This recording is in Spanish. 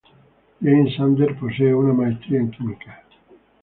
James Sanders posee una maestría en química.